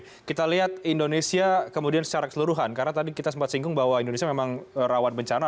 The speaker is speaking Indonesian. jadi kita lihat indonesia kemudian secara keseluruhan karena tadi kita sempat singkung bahwa indonesia memang rawat bencana